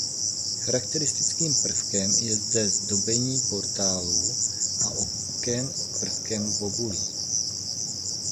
Charakteristickým prvkem je zde zdobení portálů a oken prvkem bobulí.